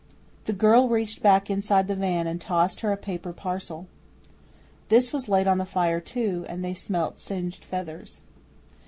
The girl reached back inside the van and tossed her a paper parcel. This was laid on the fire too, and they smelt singed feathers.